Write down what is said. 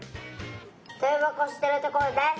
とびばこをしてるところです。